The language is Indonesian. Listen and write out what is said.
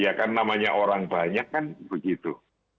ya kan namanya orang banyak kan begitu